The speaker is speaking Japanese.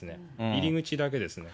入り口だけですね。